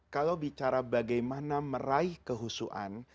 kalau bicara bagaimana meraih kehusuan